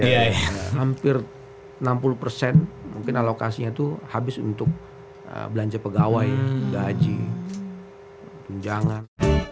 hampir enam puluh mungkin alokasinya tuh habis untuk belanja pegawai gaji pinjangan